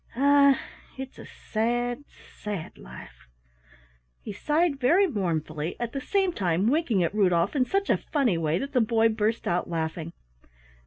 Ah, it's a sad, sad life!" He sighed very mournfully, at the same time winking at Rudolf in such a funny way that the boy burst out laughing.